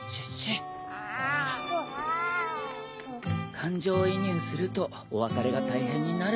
感情移入するとお別れが大変になる。